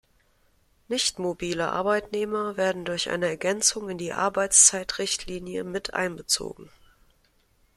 Nichtmobile Arbeitnehmer werden durch eine Ergänzung in die Arbeitszeitrichtlinie mit einbezogen.